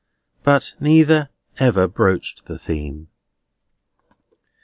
But neither ever broached the theme.